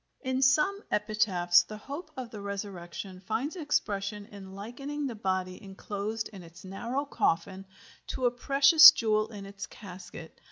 In some epitaphs the hope of the resurrection finds expression in likening the body enclosed in its narrow coffin to a precious jewel in its casket.